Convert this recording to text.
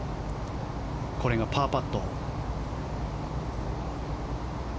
これがパーパット。